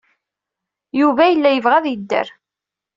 Yuba yella yebɣa ad yedder.